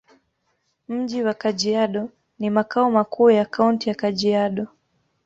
Mji wa Kajiado ni makao makuu ya Kaunti ya Kajiado.